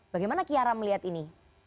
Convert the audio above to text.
bagaimana kiara melihat ini